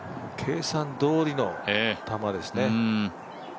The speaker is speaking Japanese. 計算どおりの球ですね。